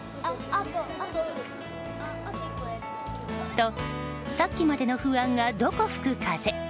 と、さっきまでの不安がどこ吹く風。